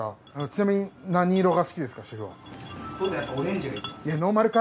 ちなみに何色が好きですか？